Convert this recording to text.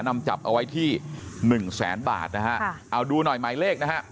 นำจับเอาไว้ที่หนึ่งแสนบาทนะฮะเอาดูหน่อยหมายเลขนะฮะ